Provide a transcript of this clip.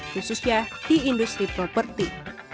khususnya di industri properti